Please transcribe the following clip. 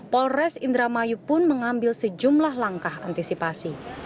polres indramayu pun mengambil sejumlah langkah antisipasi